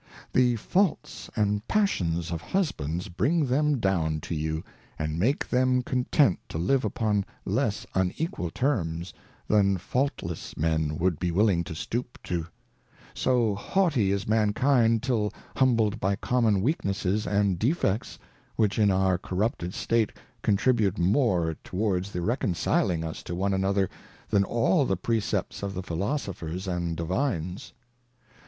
'Jhe_ Faults and Passions of Husbands bring them down to you, and make them content to live upon less unequal Terms, than Faultless Men would be willing to stoop tol; so haughty is Mankind till humbled by common Weaknesses and Defects, which in our corrupted State contribute more towards the reconciling us to one another, than all the Precepts of the Philosophers and Divines.